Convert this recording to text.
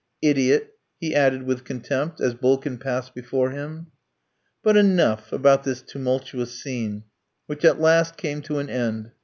"Idiot!" he added, with contempt, as Bulkin passed before him. But enough about this tumultuous scene, which, at last, came to an end.